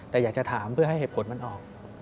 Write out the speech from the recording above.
แต่อยากจะถามเพื่อให้เหตุผลมันออก